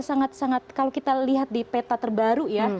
sangat sangat kalau kita lihat di peta terbaru ya